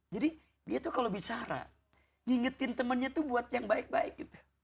jadi dia tuh kalau bicara ngingetin temannya tuh buat yang baik baik